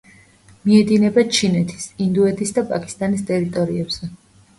მიედინება ჩინეთის, ინდოეთის და პაკისტანის ტერიტორიებზე.